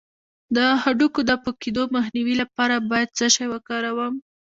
د هډوکو د پوکیدو مخنیوي لپاره باید څه شی وکاروم؟